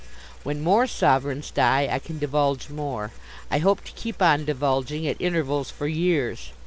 When more sovereigns die I can divulge more. I hope to keep on divulging at intervals for years.